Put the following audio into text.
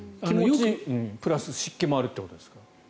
プラス湿気もあるということですか？